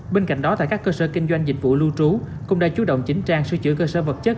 bên cạnh đó tại các cơ sở kinh doanh dịch vụ lưu trú cũng đã chú động chính trang sửa chữa cơ sở vật chất